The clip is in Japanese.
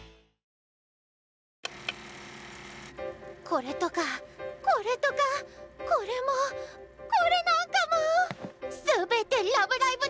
これとかこれとかこれもこれなんかも全て「ラブライブ！」